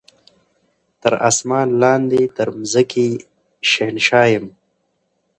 تر اسمان لاندي تر مځکي شهنشاه یم